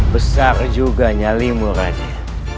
besar juga nyali mu raden